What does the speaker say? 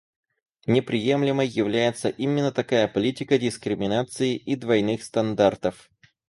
Неприемлемой является именно такая политика дискриминации и двойных стандартов.